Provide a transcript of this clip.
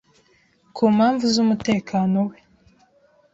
ku mpamvu z'umutekano we